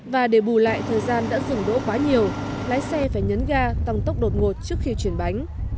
và để bù lại thời gian đã dừng đỗ quá nhiều lái xe phải nhấn ga tăng tốc đột ngột trước khi chuyển bánh